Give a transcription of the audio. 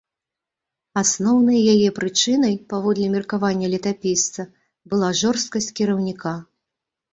Асноўнай яе прычынай, паводле меркавання летапісца, была жорсткасць кіраўніка.